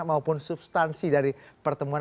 dan juga substansi dari pertemuan